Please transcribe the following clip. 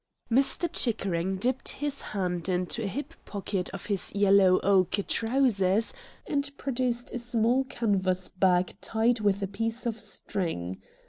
Mr. Chickering dipped his hand into a hip pocket of his yellow ochre trousers and produced a small canvas bag tied with a piece of string.